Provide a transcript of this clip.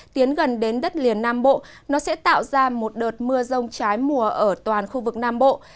tiến gần đến đất liền nam bộ nó sẽ tạo ra một đợt mưa rông trái mùa ở toàn khu vực nam bộ